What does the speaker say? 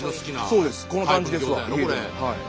そうですこの感じですわ。